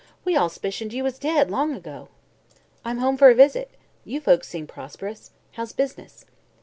"We all 'spicioned you was dead, long ago." "I'm home for a visit. You folks seem prosperous. How's business?"